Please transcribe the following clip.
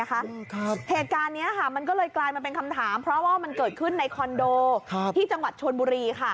เหตุการณ์นี้มันก็เลยกลายมาเป็นคำถามเพราะว่ามันเกิดขึ้นในคอนโดที่จังหวัดชนบุรี